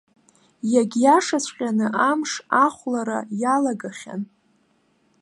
Егьиашаҵәҟьаны, амш ахәлара иалагахьан.